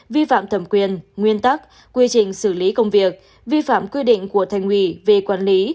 vi phạm thẩm quyền nguyên tắc quy trình xử lý công việc vi phạm quy định của thành ủy về quản lý